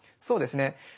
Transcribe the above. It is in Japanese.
そうですね。